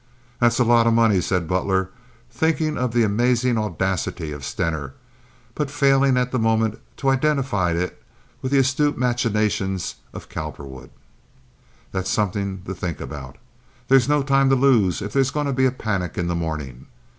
"That's a lot of money," said Butler, thinking of the amazing audacity of Stener, but failing at the moment to identify it with the astute machinations of Cowperwood. "That's something to think about. There's no time to lose if there's going to be a panic in the morning.